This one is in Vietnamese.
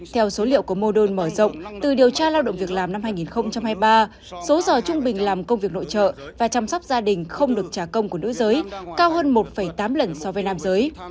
theo số liệu của modol mở rộng từ điều tra lao động việc làm năm hai nghìn hai mươi ba số giờ trung bình làm công việc nội trợ và chăm sóc gia đình không được trả công của nữ giới cao hơn một tám lần so với nam giới